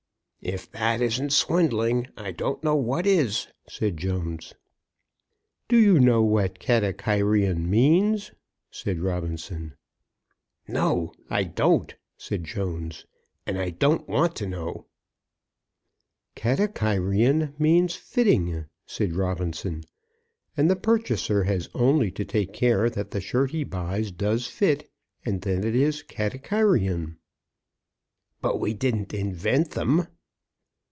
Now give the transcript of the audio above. "If that isn't swindling, I don't know what is," said Jones. "Do you know what Katakairion means?" said Robinson. "No; I don't," said Jones. "And I don't want to know." "Katakairion means 'fitting,'" said Robinson; "and the purchaser has only to take care that the shirt he buys does fit, and then it is Katakairion." "But we didn't invent them."